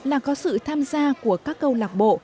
là có sự tham gia của các câu lạc bộ